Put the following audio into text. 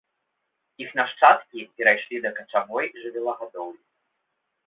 Іх нашчадкі перайшлі да качавой жывёлагадоўлі.